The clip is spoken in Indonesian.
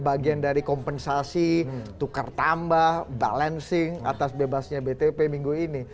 bagian dari kompensasi tukar tambah balancing atas bebasnya btp minggu ini